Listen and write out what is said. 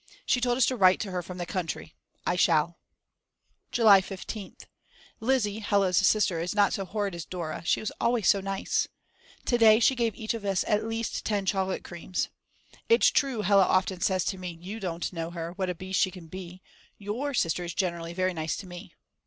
She told us to write to her from the country. I shall. July 15th. Lizzi, Hella's sister, is not so horrid as Dora, she is always so nice! To day she gave each of us at least ten chocolate creams. It's true Hella often says to me: "You don't know her, what a beast she can be. Your sister is generally very nice to me."